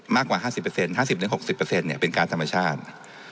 มากกว่า๕๐๕๐๖๐เป็นการธรรมชาติ